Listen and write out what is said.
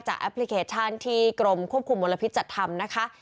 แอปพลิเคชันที่กรมควบคุมมลพิษจัดทำนะคะ